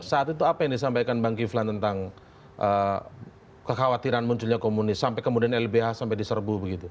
saat itu apa yang disampaikan bang kiflan tentang kekhawatiran munculnya komunis sampai kemudian lbh sampai diserbu begitu